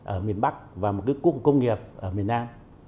ở miền bắc và một cái cụm công nghiệp ở miền nam